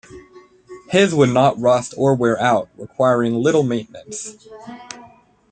His would not rust or wear out, requiring little maintenance.